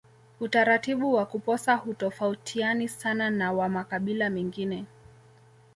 Utaratibu wa kuposa hutofautiani sana na wa makabila mengine